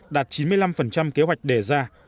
đạt chín mươi năm kế hoạch đề ra